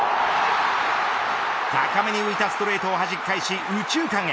高めに浮いたストレートをはじき返し、右中間へ。